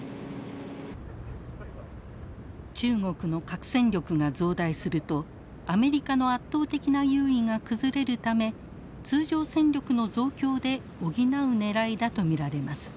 中国の核戦力が増大するとアメリカの圧倒的な優位が崩れるため通常戦力の増強で補うねらいだと見られます。